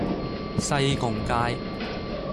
西貢街